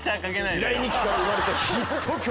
「未来日記」から生まれたヒット曲。